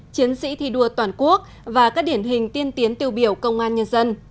chiến sĩ thi đua toàn quốc và các điển hình tiên tiến tiêu biểu công an nhân dân